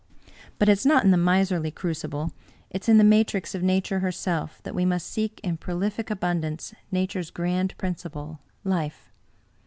But it is not in the miserly crucible, it is in the matrix of Nature herself, that we must seek in prolific abundance Nature's grand principle — life.